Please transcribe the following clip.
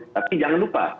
tapi jangan lupa